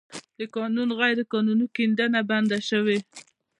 د کانونو غیرقانوني کیندنه بنده شوې